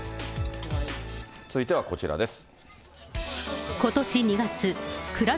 続いてはこちらです。